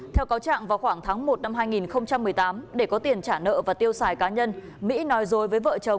theo cáo trạng vào khoảng tháng một năm hai nghìn một mươi tám để có tiền trả nợ và tiêu xài cá nhân mỹ nói dối với vợ chồng